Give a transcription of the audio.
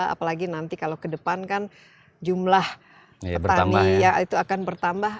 apalagi nanti kalau ke depan kan jumlah petani ya itu akan bertambah